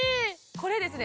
これですね